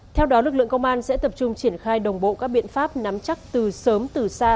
theo đó lực lượng công an sẽ tập trung triển khai đồng bộ các biện pháp nắm chắc từ sớm từ xa